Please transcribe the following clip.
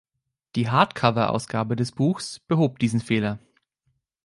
Die Hardcover-Ausgabe des Buchs behob diesen Fehler.